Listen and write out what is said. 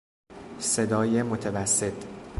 صدای متوسط